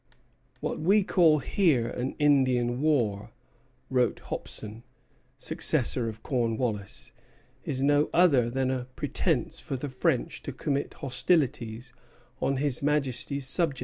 "What we call here an Indian war," wrote Hopson, successor of Cornwallis, "is no other than a pretence for the French to commit hostilities on His Majesty's subjects."